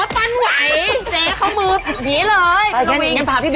โอ้ยปั้นไหว